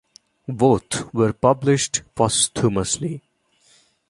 Both were published posthumously.